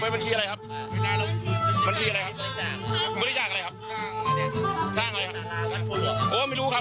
บริษัทอะไรครับ